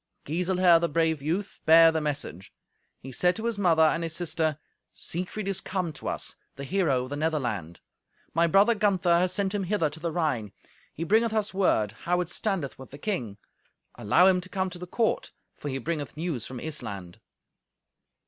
Giselher, the brave youth, bare the message; he said to his mother and his sister, "Siegfried is come to us, the hero of the Netherland. My brother Gunther hath sent him hither to the Rhine. He bringeth us word how it standeth with the king. Allow him to come to the court, for he bringeth news from Issland."